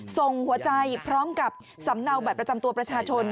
ส่งหัวใจพร้อมกับสำเนาบัตรประจำตัวประชาชน